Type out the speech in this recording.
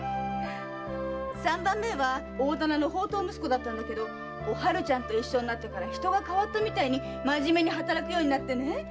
三番目は大店の放蕩息子だったんだけどお春ちゃんと一緒になってから人が変わったみたいに真面目に働くようになってね。